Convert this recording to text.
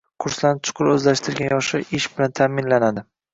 Kurslarni chuqur o‘zlashtirgan yoshlar ish bilan ta’minlanadi